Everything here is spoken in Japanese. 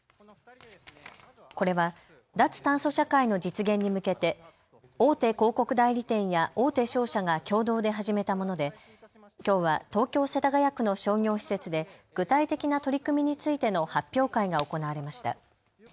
これは脱炭素社会の実現に向けて大手広告代理店や大手商社が共同で始めたものできょうは東京世田谷区の商業施設で具体的な取り組みについての発表会が行われました。